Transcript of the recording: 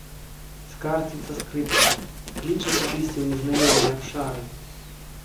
Скардзіцца скрыпка, кліча кудысьці ў незнаёмыя абшары.